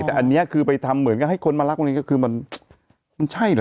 แต่อันนี้คือไปทำเหมือนกับให้คนมารักโรงเรียนก็คือมันมันใช่เหรอ